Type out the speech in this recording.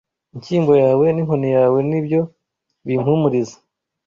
Inshyimbo yawe n’inkoni yawe ni byo bimpumuriza.